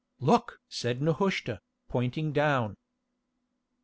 "Look!" said Nehushta, pointing down.